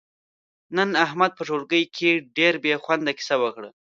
نن احمد په ټولگي کې ډېره بې خونده کیسه وکړه،